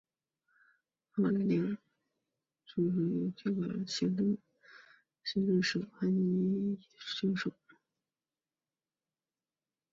奥勒良生于罗马帝国的达西亚行省或潘诺尼亚行省。